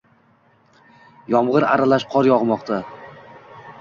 Yomg'ir aralash qor yog'moqda